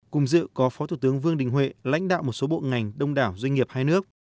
cùng dự có phó thủ tướng vương đình huệ lãnh đạo một số bộ ngành đông đảo doanh nghiệp hai nước